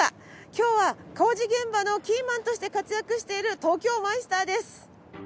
今日は工事現場のキーマンとして活躍している東京マイスターです。